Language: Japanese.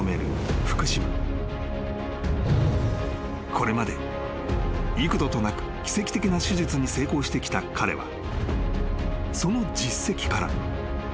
［これまで幾度となく奇跡的な手術に成功してきた彼はその実績から］